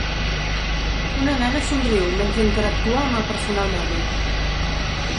Una nena somriu mentre interactua amb el personal mèdic